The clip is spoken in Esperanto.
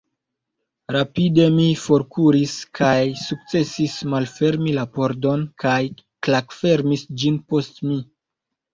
Rapide mi forkuris kaj sukcesis malfermi la pordon kaj klakfermi ĝin post mi.